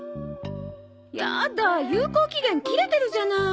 やだ有効期限切れてるじゃない。